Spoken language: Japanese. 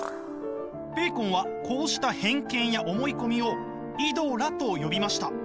ベーコンはこうした偏見や思い込みをイドラと呼びました。